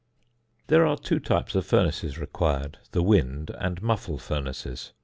] There are two kinds of furnaces required, the "wind" and "muffle" furnaces.